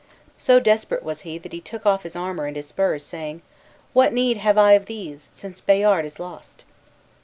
So desperate was he that he took off his armor and his spurs, saying, "What need have I of these, since Bayard is lost?"